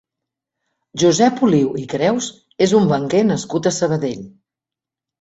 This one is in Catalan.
Josep Oliu i Creus és un banquer nascut a Sabadell.